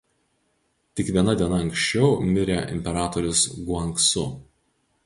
Tik viena diena ankščiau mirė imperatorius Guangsu.